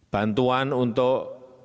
bantuan untuk pemerintah